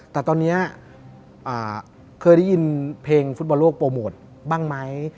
แต่ตอนนี้เคยได้ยินเพลงฟุตบอลโลกโปรโมทบ้างไหม